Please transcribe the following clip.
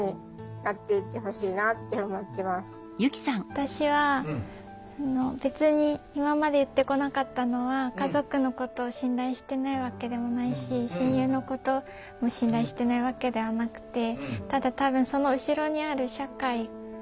私は別に今まで言ってこなかったのは家族のことを信頼してないわけでもないし親友のことも信頼してないわけではなくて。